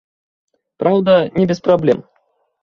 Праўда, не без праблем.